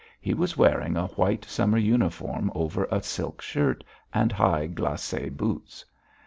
He was wearing a white summer uniform over a silk shirt, and high glacé boots.